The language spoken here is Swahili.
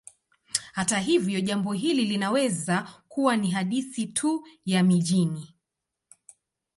Hata hivyo, jambo hili linaweza kuwa ni hadithi tu ya mijini.